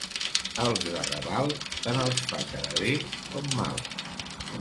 Als de Raval, tant els fa quedar bé com mal.